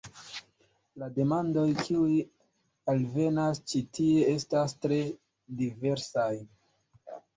La demandoj kiuj alvenas ĉi tie estas tre diversaj.